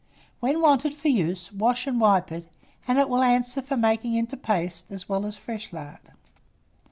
When wanted for use, wash and wipe it, and it will answer for making into paste as well as fresh lard.